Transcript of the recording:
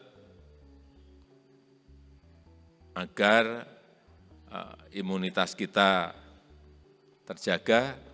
karena booster agar imunitas kita terjaga